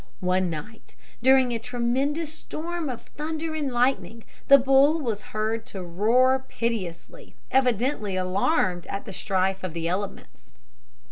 One night, during a tremendous storm of thunder and lightning, the bull was heard to roar piteously, evidently alarmed at the strife of the elements.